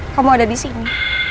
kamu ada di sini